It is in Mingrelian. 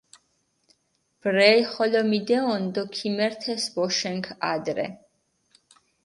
ბრელი ხოლო მიდეჸონ დო ქემერთეს ბოშენქ ადრე.